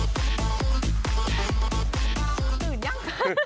ตื่นยัง